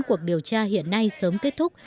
cuộc điều tra hiện nay sớm kết thúc